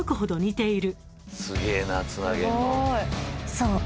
［そう。